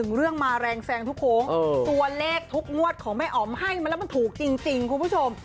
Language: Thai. เรื่องมาแรงแซงทุกโค้งตัวเลขทุกงวดของแม่อ๋อมให้มาแล้วมันถูกจริงคุณผู้ชม